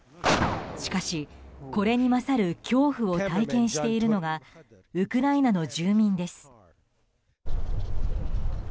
しかし、これに勝る恐怖を体験しているのがウクライナの住民です。